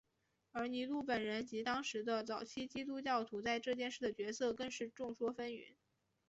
而尼禄本人及当时的早期基督教徒在这件事的角色更是众说纷纭。